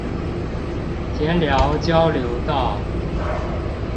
田寮交流道